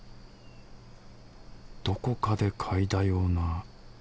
どこかで嗅いだような。